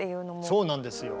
そうなんですよ。